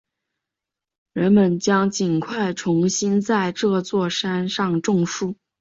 人们将尽快重新在这座山上种树。